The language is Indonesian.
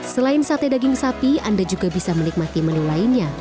selain sate daging sapi anda juga bisa menikmati menu lainnya